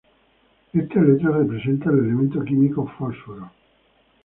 Esta letra representa al elemento químico fósforo.